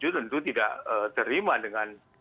tentu tidak terima dengan